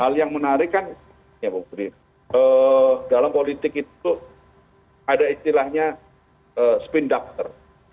hal yang menarik kan dalam politik itu ada istilahnya spin doctor